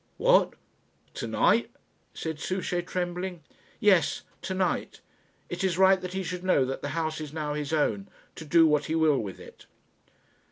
"What! to night?" said Souchey, trembling. "Yes, to night. It is right that he should know that the house is now his own, to do what he will with it."